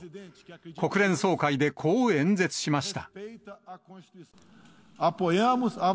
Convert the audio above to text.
国連総会でこう演説しました。